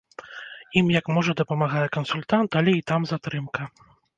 Ім як можа дапамагае кансультант, але і там затрымка.